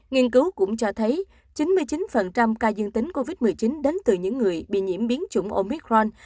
nghiên cứu cũng cho thấy chín mươi chín ca dương tính covid một mươi chín đến từ những người bị nhiễm biến chủng omic ron